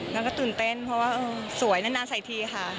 แล้วก็ตื่นเต้นเพราะว่าสวยนานใส่ทีค่ะ